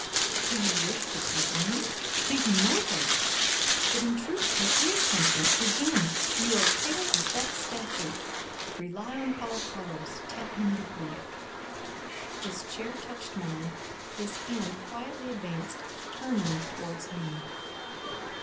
"Do you wish to puzzle me? Do you know her? But, in truth, there is something. Again you are pale as that statue. Rely on Paul Carlos; tell him the grief." His chair touched mine; his hand, quietly advanced, turned me towards him.